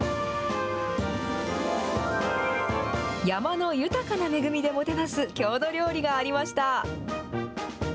山の豊かな恵みでもてなす郷土料理がありました。